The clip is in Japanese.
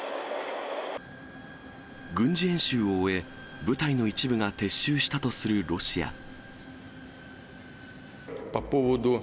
軍事演習を終え、部隊の一部が撤収したとするロシア。